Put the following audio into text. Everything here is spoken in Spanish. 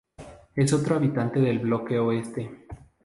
Es otro habitante del Bloque Oeste.